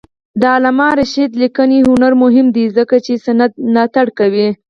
د علامه رشاد لیکنی هنر مهم دی ځکه چې سند ملاتړ کوي.